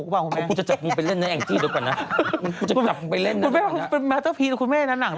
พูดหั่วหนูไปเล่นด้วยบ้าง